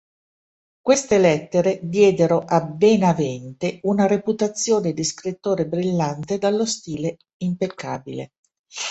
Queste lettere diedero a Benavente una reputazione di scrittore brillante dallo stile impeccabile.